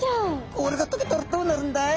氷が解けたらどうなるんだい？